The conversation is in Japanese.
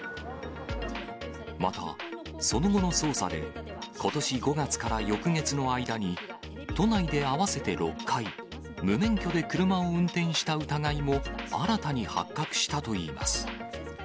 また、その後の捜査で、ことし５月から翌月の間に、都内で合わせて６回、無免許で車を運転した疑いも、新たに発覚したといいます。